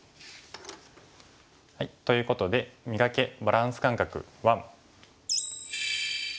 ということで「磨け！バランス感覚１」。